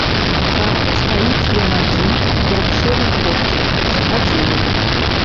Так стаіць ён адзін, як шэры корч, з гадзіну.